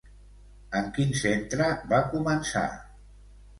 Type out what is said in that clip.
En quin centre va començar?